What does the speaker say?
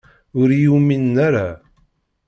Ur iyi-uminen ara.